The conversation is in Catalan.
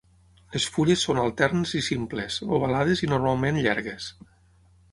Les fulles són alternes i simples, ovalades i normalment llargues.